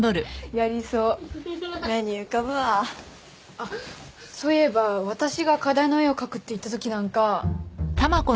あっそういえば私が課題の絵を描くって言ったときなんか。